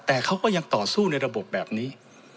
แต่เขาก็ยังต่อสู้ในระบบแบบนี้